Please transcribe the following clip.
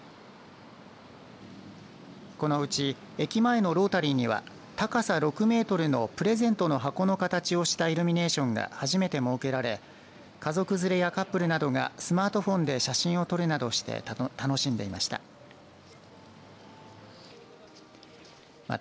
このうち駅前のロータリーには高さ６メートルのプレゼントの箱の形をしたイルミネーションが初めて設けられ家族連れやカップルなどがスマートフォンで写真を撮るなどして楽しんでいました。